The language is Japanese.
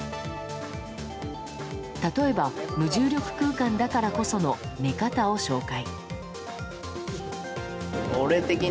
例えば無重力空間だからこその寝方を紹介。